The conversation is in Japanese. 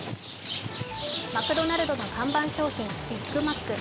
マクドナルドの看板商品ビッグマック。